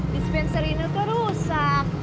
dispenser ini tuh rusak